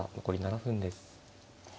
残り７分です。